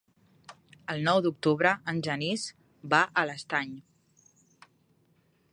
El nou d'octubre en Genís va a l'Estany.